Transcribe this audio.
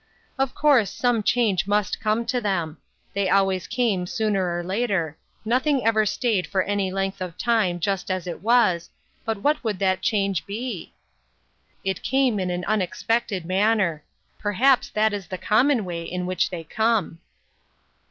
Of course some change must come to them ; they always came sooner or later; nothing ever stayed for any length of time just as it was, but what would the change be ? It came in an unexpected manner ; perhaps that is the common way in which they come.